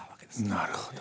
なるほど。